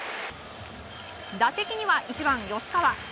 打席には１番、吉川。